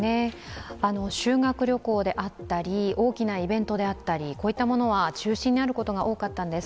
修学旅行であったり、大きなイベントであったり、こういったものは中止になることが多かったんです。